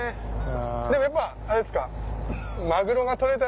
でもやっぱあれですか？